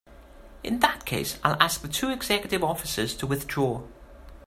In that case I'll ask the two executive officers to withdraw.